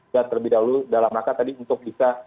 terlebih dahulu dalam rangka tadi untuk bisa